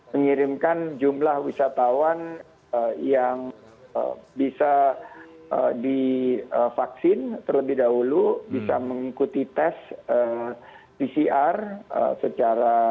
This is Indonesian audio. bisa mengirimkan jumlah usahawan yang bisa divaksin terlebih dahulu bisa mengikuti tes pcr